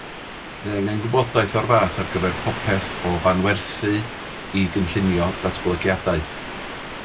Mae angen gwybodaeth o'r fath ar gyfer popeth o fanwerthu i gynllunio datblygiadau.